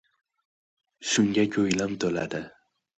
Shunga ko‘nglim to‘ladi.